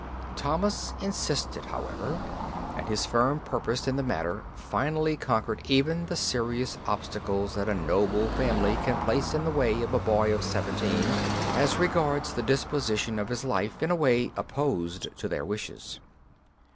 Thomas insisted, however, and his firm purpose in the matter finally conquered even the serious obstacles that a noble family can place in the way of a boy of seventeen, as regards the disposition of his life in a way opposed to their wishes.